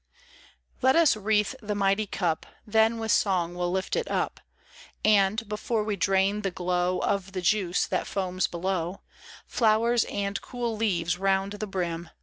LET ns wreathe the mighty cup. Then with song we'll lift it up, And, before we drain the glow Of the juice that foams below Flowers and cool leaves round the brim.